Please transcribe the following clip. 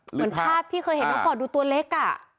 เหมือนภาพที่เคยเห็นน้องปอดดูตัวเล็ก